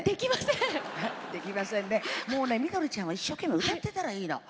笑い声みどりちゃんは一生懸命、歌っていたらいいの。